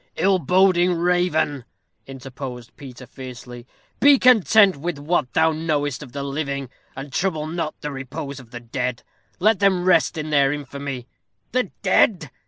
"Ill boding raven," interposed Peter, fiercely, "be content with what thou knowest of the living, and trouble not the repose of the dead. Let them rest in their infamy." "The dead!"